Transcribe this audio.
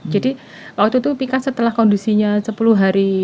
jadi waktu itu pika setelah kondisinya sepuluh hari